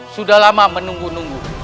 sudah lama menunggu nunggu